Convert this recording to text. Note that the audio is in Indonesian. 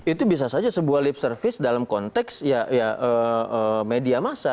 itu bisa saja sebuah lip service dalam konteks media masa